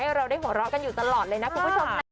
เราได้หัวเราะกันอยู่ตลอดเลยนะคุณผู้ชม